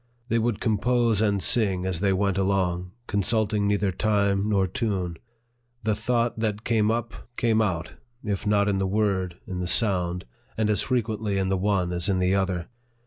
They would compose and sing as they went along, consulting neither time nor tune. The thought that came up, came out if not in the word, in the sound ; and as frequently in the one as in the other.